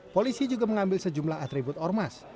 polisi juga mengambil sejumlah atribut ormas